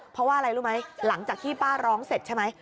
เพราะว่าอะไรรู้ไหมหลังจากที่ป้าร้องเสร็จใช่ไหม